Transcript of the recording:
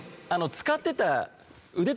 使ってた。